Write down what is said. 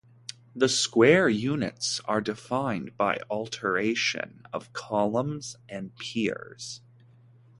The square units are defined by the alternation of columns and piers.